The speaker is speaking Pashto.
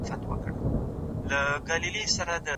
افغان ډاکټران د ډیموکراتیکي رایې ورکولو حق نه لري.